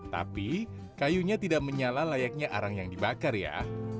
tapi kayunya tidak menyala layaknya arang yang dibakar ya